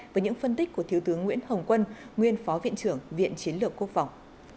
với những phân tích của thiếu tướng nguyễn hồng quân nguyên phó viện trưởng viện chiến lược quốc phòng